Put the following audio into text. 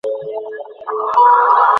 ইশ্বর রহম করেছে!